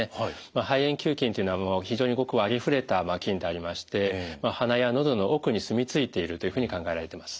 肺炎球菌というのは非常にごくありふれた菌でありまして鼻やのどの奥に住み着いているというふうに考えられてます。